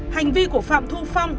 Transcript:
hành vi của phạm thu phong